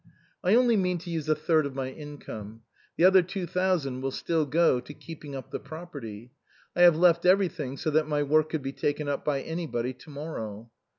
" I only mean to use a third of my income. The other two thousand will still go to keeping up the property. I have left everything so that my work could be taken up by anybody to morrow."